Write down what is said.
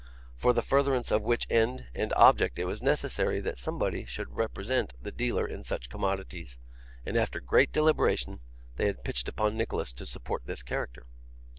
For the furtherance of which end and object it was necessary that somebody should represent the dealer in such commodities, and after great deliberation they had pitched upon Nicholas to support this character.